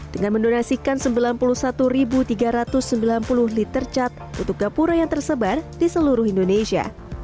dengan mendonasikan sembilan puluh satu tiga ratus sembilan puluh liter cat untuk gapura yang tersebar di seluruh indonesia